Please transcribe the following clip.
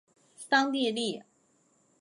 桑蒂利。